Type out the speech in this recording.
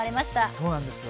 そうなんですよ。